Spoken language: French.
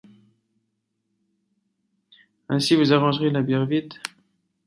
Ainsi vous arrangerez la bière vide?